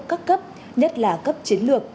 các cấp nhất là cấp chiến lược